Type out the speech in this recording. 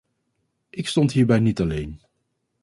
Ik stond hierbij niet alleen.